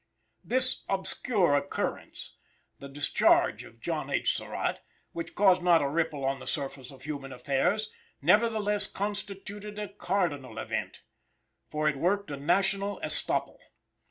This obscure occurrence, the discharge of John H. Surratt, which caused not a ripple on the surface of human affairs, nevertheless constituted a cardinal event; for it worked a national estoppel.